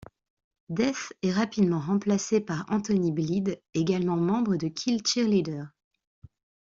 Deth est rapidement remplacé par Anthony Bleed, également membre de Kill Cheerleader.